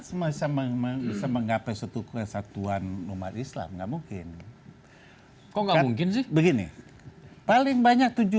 semangat mengapa setuk kesatuan umat islam nggak mungkin kok nggak mungkin sih begini paling banyak